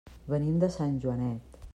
Venim de Sant Joanet.